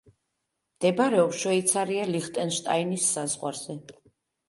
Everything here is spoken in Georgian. მდებარეობს შვეიცარია–ლიხტენშტაინის საზღვარზე.